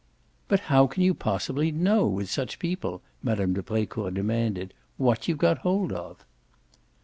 "But how can you possibly know, with such people," Mme. de Brecourt demanded, "what you've got hold of?"